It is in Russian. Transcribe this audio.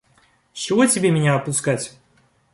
С чего тебе меня отпускать?